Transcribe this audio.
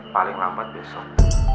paling lambat besok